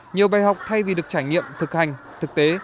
nhiều bài học thay vì được trải nghiệm thực hành thực tế